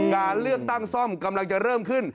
การเลือกตั้งซ่อมกำลังจะเริ่มขึ้น